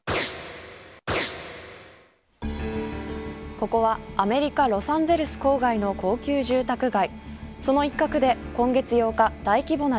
ここはアメリカロサンゼルス郊外の高級住宅街。